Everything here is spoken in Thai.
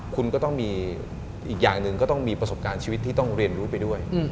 คุณก็ต้องมีอีกอย่างหนึ่งก็ต้องมีประสบการณ์ชีวิตที่ต้องเรียนรู้ไปด้วย